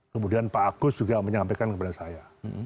kemudian pak agus juga menyampaikan kepada saya